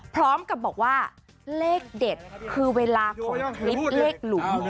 พร้อมกับบอกว่าเลขเด็ดคือเวลาของคลิปเลขหลุม